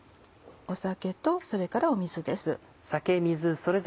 酒とそれから水です。